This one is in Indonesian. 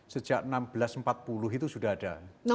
sejak seribu enam ratus empat puluh itu sudah ada